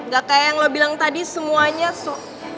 gak kayak yang lo bilang tadi semuanya so